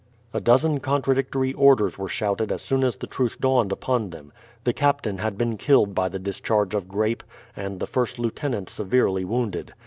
A dozen contradictory orders were shouted as soon as the truth dawned upon them. The captain had been killed by the discharge of grape, and the first lieutenant severely wounded.